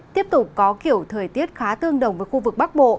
tiếp tục có kiểu thời tiết khá tương đồng với khu vực bắc bộ